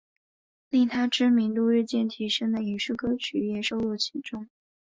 令她知名度日渐提升的影视歌曲也收录其中。